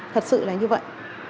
thật sự là như vậy